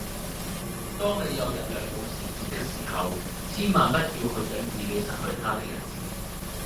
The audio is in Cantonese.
當你有一輛保時捷的時候，千萬不要去想自己失去它的日子